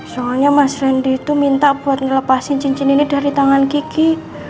soalnya mas wendy itu minta buat ngelepasin cincin ini dari tangan kiki